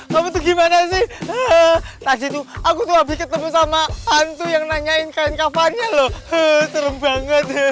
kamu tuh gimana sih tadi tuh aku tuh habis ketemu sama hantu yang nanyain kain kapan ya